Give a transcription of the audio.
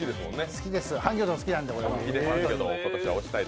好きです、ハンギョドン好きなんで。